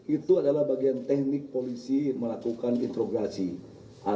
itu adalah bagian teknik polisi melakukan interograsi